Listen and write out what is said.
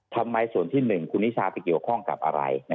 ทำไมส่วนที่๑คุณนิชาไปเกี่ยวข้องกับอะไร